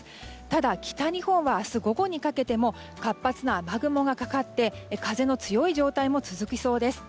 ただ、北日本は明日午後にかけても活発な雨雲がかかって風の強い状態も続きそうです。